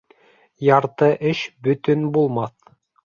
Ярты эш бөтөн булмаҫ.